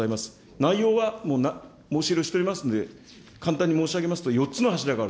内容は申し上げておりますので、簡単に申し上げますと、４つの柱がある。